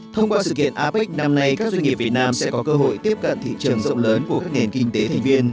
thông qua sự kiện apec năm nay các doanh nghiệp việt nam sẽ có cơ hội tiếp cận thị trường rộng lớn của các nền kinh tế thành viên